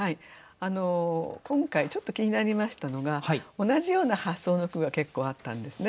今回ちょっと気になりましたのが同じような発想の句が結構あったんですね。